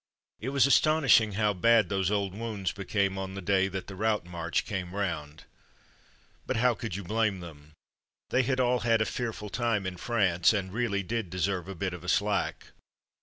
It was astonishing how bad those old wounds became on the day that the route march came round. But how could you blame them? They had all had a fearful time in France, and really did deserve a bit of a slack.